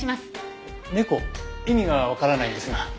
意味がわからないんですが。